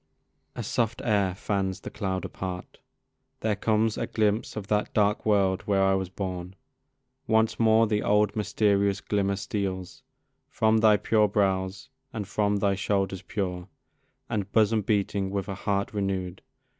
A soft air fans the cloud apart; there comes A glimpse of that dark world where I was born. Once more the old mysterious glimmer steals From thy pure brows, and from thy shoulders pure, And bosom beating with a heart renew'd.